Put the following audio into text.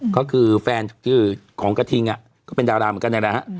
ก็คือแฟนชื่อของกระทิงก็เป็นดาราเหมือนกันนี่แหละฮะ